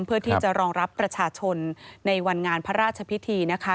เพื่อที่จะรองรับประชาชนในวันงานพระราชพิธีนะคะ